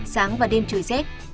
sáng và đêm trời rét